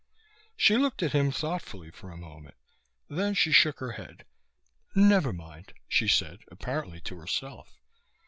She looked at him thoughtfully for a moment. Then she shook her head. "Never mind," she said apparently to herself.